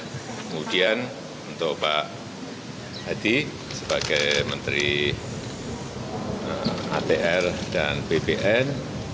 kemudian untuk pak hadi sebagai menteri atr dan bpn